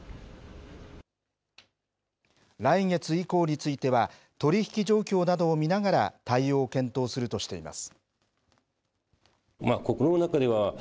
来月以降については、取り引き状況などを見ながら、対応を検討するとしています。